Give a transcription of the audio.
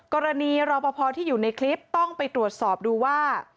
รอปภที่อยู่ในคลิปต้องไปตรวจสอบดูว่า